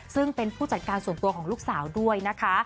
ซึ่งเป็นผู้จัดการส่วนตัวของลูกสาวด้วยนะคะ